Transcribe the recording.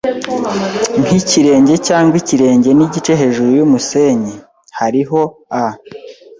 nkikirenge cyangwa ikirenge nigice hejuru yumusenyi. Hariho a